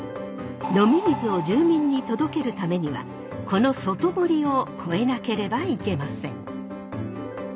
飲み水を住民に届けるためにはこの外堀を越えなければいけません。